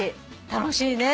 楽しいね。